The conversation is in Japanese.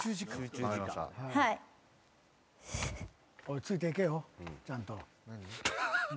ついていけよちゃんと。